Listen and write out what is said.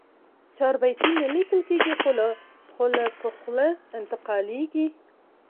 چاربیتې نه لیکل کېږي، خوله په خوله انتقالېږي.